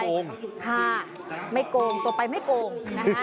ถ้าโมทนาสาธุกันไปถ้าไม่โกรธตัวไปไม่โกรธ